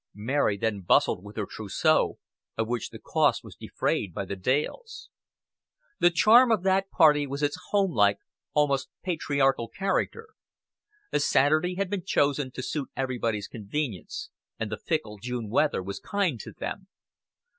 Mary then bustled with her trousseau, of which the cost was defrayed by the Dales. The charm of that party was its homelike, almost patriarchal character. A Saturday had been chosen to suit everybody's convenience, and the fickle June weather was kind to them.